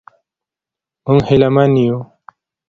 موږ هیله من یو.